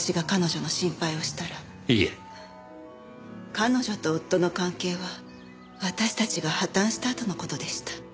彼女と夫の関係は私たちが破綻したあとの事でした。